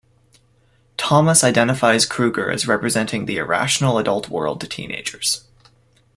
Thomas identifies Krueger as representing the irrational adult world to teenagers.